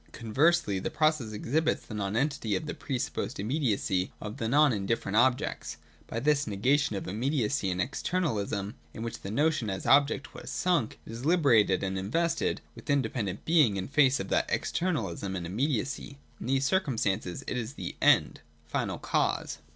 Conversely the process exhibits the nonentity of the pre supposed immediacy of the not indifferent objects. — By this negation of immediacy and of externalism in which the notion as object was sunk, it is hberated and invested with independent being in face of that exter nalism and immediacy. In these circumstances it is the End (Final Cause).